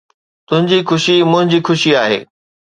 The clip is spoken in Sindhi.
تنهنجي خوشي منهنجي خوشي آهي